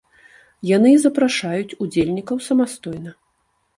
Яны і запрашаюць удзельнікаў самастойна.